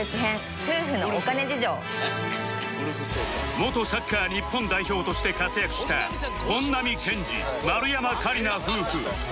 元サッカー日本代表として活躍した本並健治丸山桂里奈夫婦